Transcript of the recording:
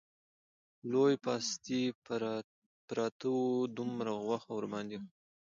لوی پاستي پراته وو، دومره غوښه ورباندې وه